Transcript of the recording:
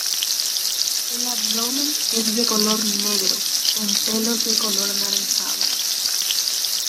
El abdomen es de color negro con pelos de color anaranjado.